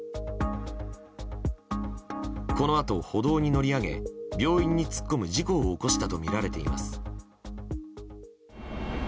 このあと歩道に乗り上げ病院に突っ込む事故を起こしたとみられています。